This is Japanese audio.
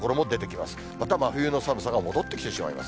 また真冬の寒さが戻ってきてしまいます。